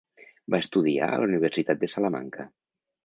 Va estudiar a la Universitat de Salamanca.